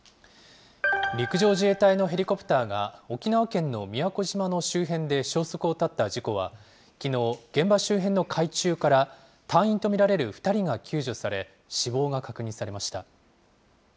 陸上自衛隊のヘリコプターが、沖縄県の宮古島の周辺で消息を絶った事故は、きのう、現場周辺の海中から隊員と見られる２人が救助され、死亡が確認さ